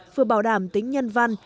vừa bảo đảm tính nhân văn